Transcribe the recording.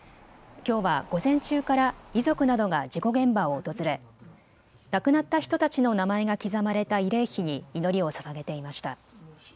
きょうは午前中から遺族などが事故現場を訪れ亡くなった人たちの名前が刻まれた慰霊碑に祈りをささげていました。